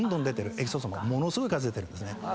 エクソソームものすごい数出てるんですね。